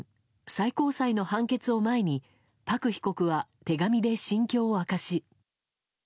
最高裁の判決を前にパク被告は手紙で心境を明かし。